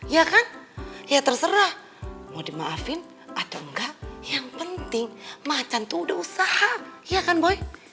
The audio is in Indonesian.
ya kan ya terserah mau dimaafin atau enggak yang penting macan tuh udah usaha iya kan boy